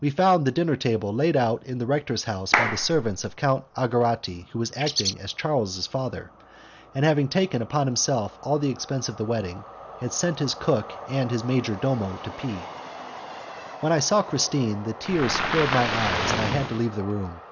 We found the dinner table laid out in the rector's house by the servants of Count Algarotti, who was acting as Charles's father, and having taken upon himself all the expense of the wedding, had sent his cook and his major domo to P . When I saw Christine, the tears filled my eyes, and I had to leave the room.